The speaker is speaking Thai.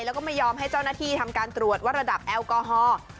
แล้วก็ไม่ยอมให้เจ้าหน้าที่ทำการตรวจว่าระดับแอลกอฮอล์